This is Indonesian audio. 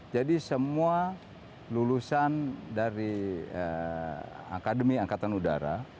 jadi semua lulusan dari akademi angkatan udara